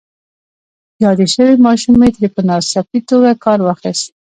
يادې شوې ماشومې ترې په ناڅاپي توګه کار واخيست.